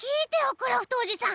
クラフトおじさん！